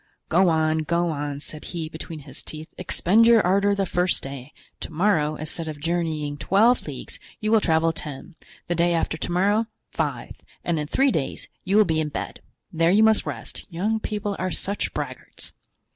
"Go on, go on," said he, between his teeth, "expend your ardor the first day; to morrow, instead of journeying twenty leagues, you will travel ten, the day after to morrow, five, and in three days you will be in bed. There you must rest; young people are such braggarts."